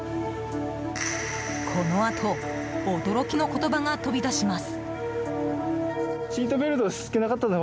このあと驚きの言葉が飛び出します。